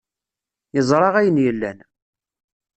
Yeẓra ayen yellan.